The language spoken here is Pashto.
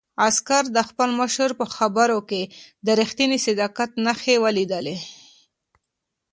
عسکر د خپل مشر په خبرو کې د رښتیني صداقت نښې ولیدلې.